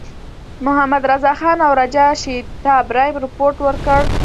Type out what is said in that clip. محمدرضاخان او راجا شیتاب رای رپوټ ورکړ.